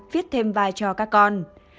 viết thêm vai cho các con